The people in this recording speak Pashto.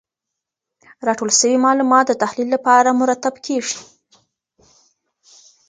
راټول سوي معلومات د تحلیل لپاره مرتب کیږي.